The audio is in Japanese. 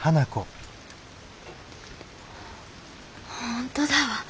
本当だわ。